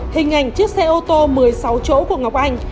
hình ảnh chiếc xe ô tô một mươi sáu chỗ của ngọc anh